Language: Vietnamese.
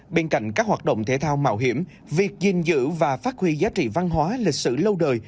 bên cạnh các hoạt động thể thao mạo hiểm việc gìn giữ và phát huy giá trị văn hóa lịch sử lâu đời